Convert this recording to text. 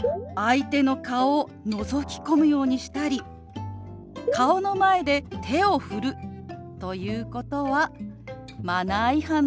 相手の顔をのぞき込むようにしたり顔の前で手を振るということはマナー違反なんです。